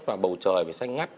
và màu trời phải xanh ngắt